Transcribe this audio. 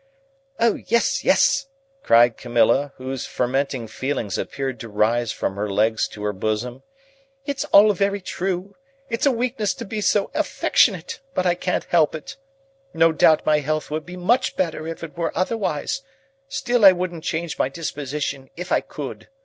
"Oh, yes, yes!" cried Camilla, whose fermenting feelings appeared to rise from her legs to her bosom. "It's all very true! It's a weakness to be so affectionate, but I can't help it. No doubt my health would be much better if it was otherwise, still I wouldn't change my disposition if I could.